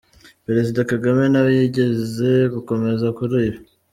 Perezida Kagame nawe yigeze gukomoza kuri ibi.